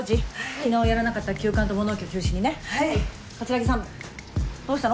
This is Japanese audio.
昨日やらなかった旧館と物置を中心にね桂木さんどうしたの？